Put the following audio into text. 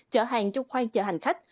chở hàng trong khoang chở hành khách